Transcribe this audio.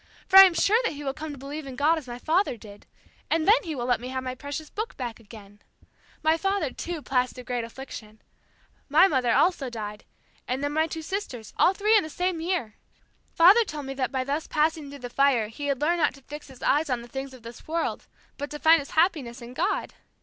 For I am sure that he will come to believe in God as my father did, and then he will let me have my precious Book back again. My father, too, passed through great affliction. My mother also died, and then my two sisters, all three in the same year. Father told me that by thus passing through the fire he had learned not to fix his eyes on the things of this world, but to find his happiness in God.